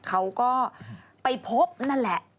เขาก็ไปพบนั่นแหละ